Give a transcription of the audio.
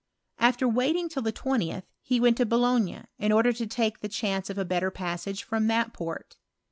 After waiting till the 20th he went to Boulogne, in order to take the chance of a better passage from that port.